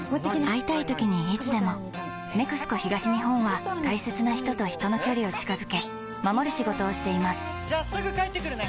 会いたいときにいつでも「ＮＥＸＣＯ東日本」は大切な人と人の距離を近づけ守る仕事をしていますじゃあすぐ帰ってくるね！